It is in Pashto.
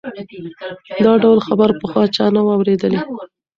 دا ډول خبره پخوا چا نه وه اورېدلې.